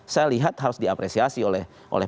saya lihat harus diapresiasi oleh